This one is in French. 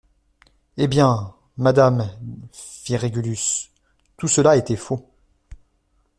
Eh bien ! madame, fit Régulus, tout cela était faux.